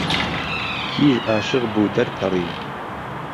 کیژ عاشق بوو دهرپهڕی